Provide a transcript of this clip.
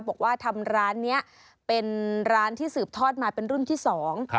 บอกว่าทำร้านเนี้ยเป็นร้านที่สืบทอดมาเป็นรุ่นที่สอง